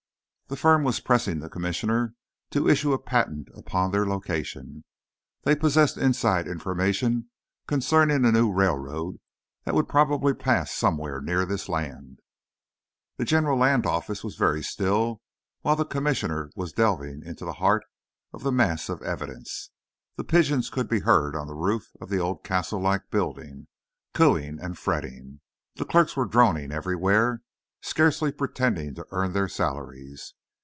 The firm was pressing the Commissioner to issue a patent upon their location. They possesed inside information concerning a new railroad that would probably pass somewhere near this land. The General Land Office was very still while the Commissioner was delving into the heart of the mass of evidence. The pigeons could be heard on the roof of the old, castle like building, cooing and fretting. The clerks were droning everywhere, scarcely pretending to earn their salaries.